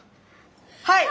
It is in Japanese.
はい！